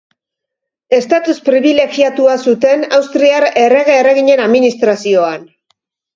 Estatus pribilegiatua zuten austriar errege-erreginen administrazioan.